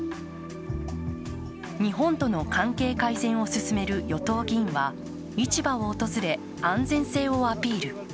日本との関係改善を進める与党議員は市場を訪れ、安全性をアピール。